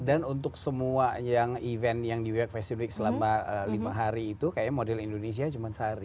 dan untuk semua event yang di new york fashion week selama lima hari itu kayaknya model indonesia cuma sari